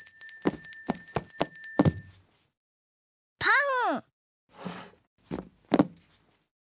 パン。